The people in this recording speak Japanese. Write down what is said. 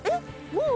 もう！？